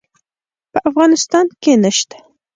په افغانستان کې نشته